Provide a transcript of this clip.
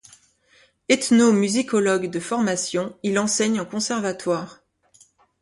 Ethnomusicologue de formation, il enseigne en conservatoire.